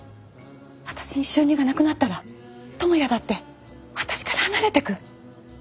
私に収入がなくなったら知也だって私から離れてく。